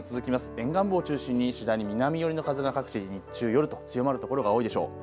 沿岸部を中心に次第に南寄りの風が各地、日中、夜と強まる所が多いでしょう。